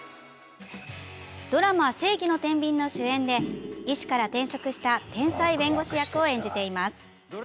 ドラマ「正義の天秤」の主演で医師から転職した天才弁護士役を演じています。